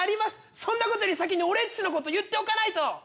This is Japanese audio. そんなことより先に俺っちのこと言っておかないと。